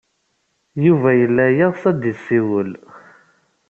Yuba yella yeɣs ad d-yessiwel.